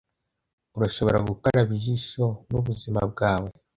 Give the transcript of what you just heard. urashobora gukaraba ijisho n'ubuzima bwawe